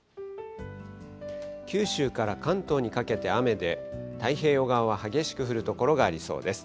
九州から関東にかけて雨で、太平洋側は激しく降る所がありそうです。